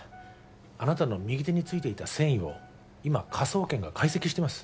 あなたの右手についていた繊維を今科捜研が解析してます